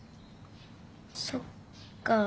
そっか。